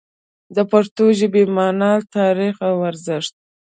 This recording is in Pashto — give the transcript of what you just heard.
د پښتو ژبې مانا، تاریخ او ارزښت